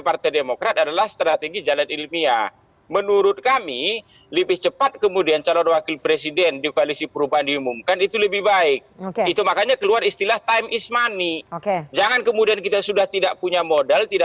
partai demokrat termasuk khususnya